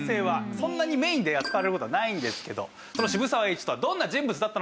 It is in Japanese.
そんなにメインで扱われる事はないんですけどその渋沢栄一とはどんな人物だったのか？